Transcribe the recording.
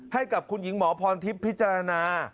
ให้กับคุณหญิงหมอพรทิพย์พิจารณา